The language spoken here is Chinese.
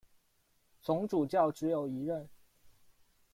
总主教只有一任。